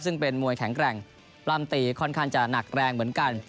ซึ่งเป็นมวยแข็งแกร่งปล้ำตีค่อนข้างจะหนักแรงเหมือนกัน